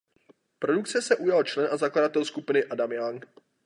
Produkce se ujal člen a zakladatel skupiny Adam Young.